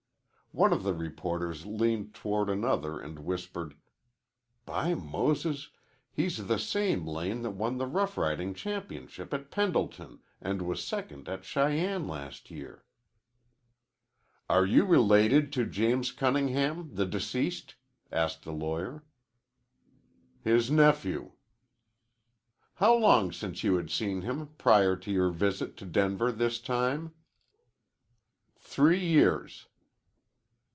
One of the reporters leaned toward another and whispered, "By Moses, he's the same Lane that won the rough riding championship at Pendleton and was second at Cheyenne last year." "Are you related to James Cunningham, the deceased?" asked the lawyer. "His nephew." "How long since you had seen him prior to your visit to Denver this time?" "Three years."